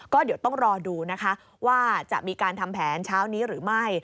ก็เดี๋ยวต้องรอดูนะคะว่าจะมีการทำแผนเช้านี้หรือไม่